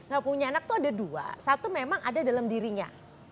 gak punya anak itu ada dua satu memang ada dalam dirinya